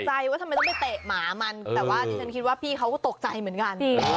ว่าทำไมต้องไปเตะหมามันแต่ว่าดิฉันคิดว่าพี่เขาก็ตกใจเหมือนกัน